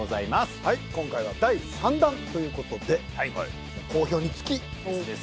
はい今回は第３弾ということで好評につきです